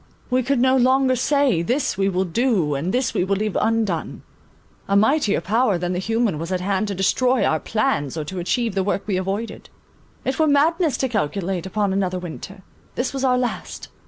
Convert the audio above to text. We could no longer say, This we will do, and this we will leave undone. A mightier power than the human was at hand to destroy our plans or to achieve the work we avoided. It were madness to calculate upon another winter. This was our last.